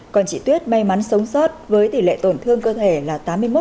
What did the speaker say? còn chị tuyết may mắn sống sót với tỷ lệ tổn thương cơ thể là tám mươi một